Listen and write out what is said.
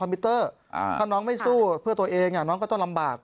มิเตอร์ถ้าน้องไม่สู้เพื่อตัวเองน้องก็ต้องลำบาก